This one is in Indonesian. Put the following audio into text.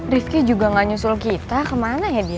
rifki juga gak nyusul kita kemana ya dia